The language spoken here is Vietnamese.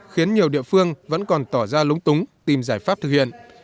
khiến nhiều địa phương vẫn còn tỏ ra lúng túng tìm giải pháp thực hiện